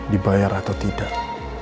dibayar atau tidak